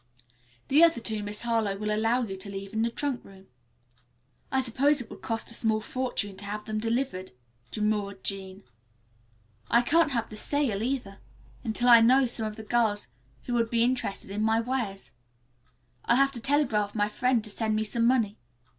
The other two Miss Harlowe will allow you to leave in the trunk room." "I suppose it will cost a small fortune to have them delivered," demurred Jean. "I can't have the sale, either, until I know some of the girls who would be interested in my wares. I'll have to telegraph my friend to send me some money.